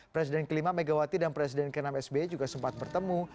presiden kelima megawati dan presiden ke enam sby juga sempat bertemu